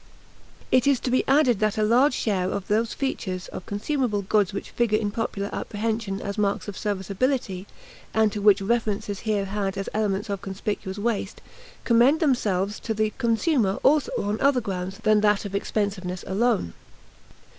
It is to be added that a large share of those features of consumable goods which figure in popular apprehension as marks of serviceability, and to which reference is here had as elements of conspicuous waste, commend themselves to the consumer also on other grounds than that of expensiveness alone.